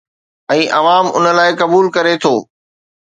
۽ عوام ان لاءِ قبول ڪري ٿو